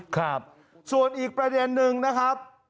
ครับส่วนอีกประเด็นนึงนะครับ